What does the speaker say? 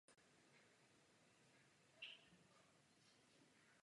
Během několika měsíců se vystřídalo ve funkci předsedy národního výboru několik osob.